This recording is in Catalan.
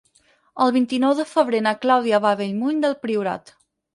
El vint-i-nou de febrer na Clàudia va a Bellmunt del Priorat.